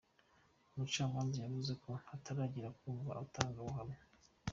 Umucamanza yavuze ko hataragera kumva abatangabuhamya.